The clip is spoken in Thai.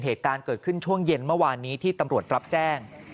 เหตุการณ์เกิดขึ้นช่วงเย็นเมื่อวานนี้ที่ตำรวจรับแจ้ง